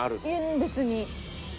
別に。